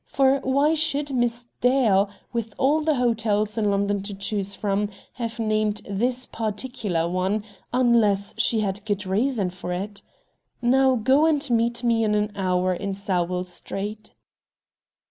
For why should Miss Dale, with all the hotels in London to choose from, have named this particular one, unless she had good reason for it? Now, go, and meet me in an hour in Sowell Street."